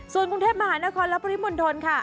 ส่วนกรุงเทพมหานครและปริมณฑลค่ะ